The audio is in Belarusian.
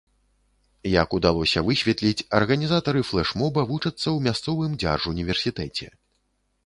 Як удалося высветліць, арганізатары флэш-моба вучацца ў мясцовым дзяржуніверсітэце.